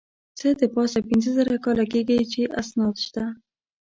څه د پاسه پینځه زره کاله کېږي چې اسناد شته.